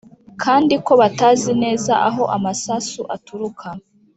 kandi ko batazi neza aho amasasu aturuka.